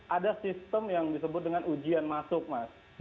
ada sistem yang disebut dengan ujian masuk mas